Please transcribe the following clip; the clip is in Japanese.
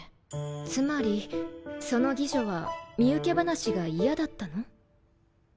つまりその妓女は身請け話が嫌だったの？